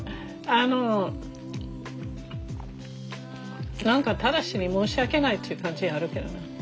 あの何か正に申し訳ないっていう感じあるけどな。